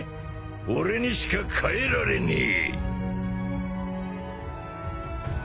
俺にしか変えられねえ！